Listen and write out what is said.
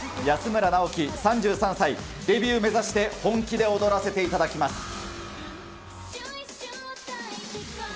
安村直樹３３歳、デビュー目指して本気で踊らせていただきます。